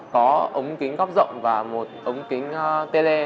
có ống kính góc rộng và một ống kính tele